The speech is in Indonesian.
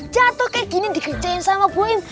jatuh kayak gini dikerjain sama buin